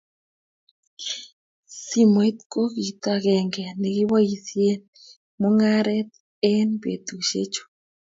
Simoit ko kito akenge ne kiboisie eng mong'aree eng betushe chu.